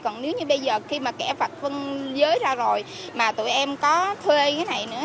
còn nếu như bây giờ khi mà kẻ phạt phân giới ra rồi mà tụi em có thuê cái này nữa